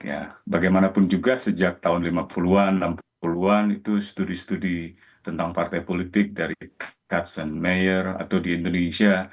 ya bagaimanapun juga sejak tahun lima puluh an enam puluh an itu studi studi tentang partai politik dari tedsen mayor atau di indonesia